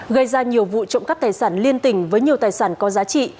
gây ra nhiều vụ trộm cắp tài sản liên tỉnh với nhiều tài sản có giá trị